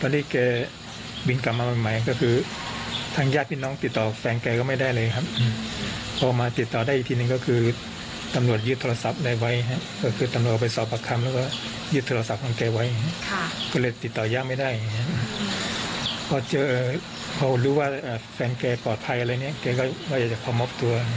เดี๋ยวลองฟังอาของเขานะครับ